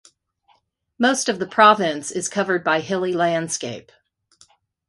Most of the province is covered by hilly landscape.